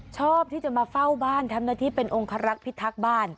ชอบที่จะมาเฝ้าบ้านทำหน้าที่เป็นองคารักษ์พิทักษ์บ้าน